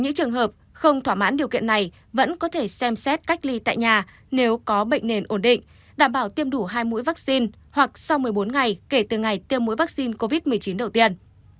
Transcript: những trường hợp không thỏa mãn điều kiện này vẫn có thể xem xét cách ly tại nhà nếu có bệnh nền ổn định đảm bảo tiêm đủ hai mũi vaccine hoặc sau một mươi bốn ngày kể từ ngày tiêm mũi vaccine covid một mươi chín đầu tiên